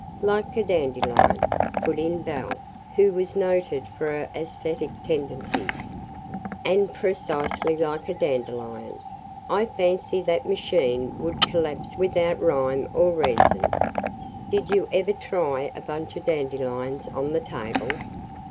"Like a dandelion," put in Belle, who was noted for her aesthetic tendencies. "And, precisely like a dandelion, I fancy that machine would collapse without rhyme or reason. Did you every try a bunch of dandelions on the table?"